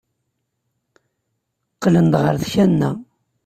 Qqlen-d ɣer tkanna.